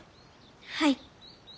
はい。